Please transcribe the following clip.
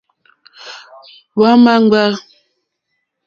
Hwá ǃma ŋɡbà.